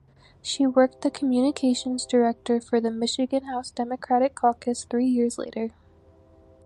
She worked the Communications director for the Michigan House Democratic Caucus three years later.